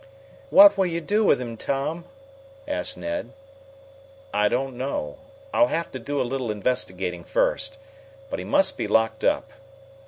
"What will you do with him, Tom?" asked Ned. "I don't know. I'll have to do a little investigating first. But he must be locked up.